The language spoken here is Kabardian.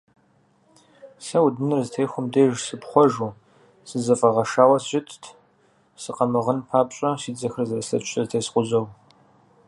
Сэ удыныр зытехуэм деж сепхъуэжу, сызэфӀэгъэшауэ сыщытт, сыкъэмыгъын папщӀэ си дзэхэр зэрыслъэкӀкӀэ зэтескъузэу.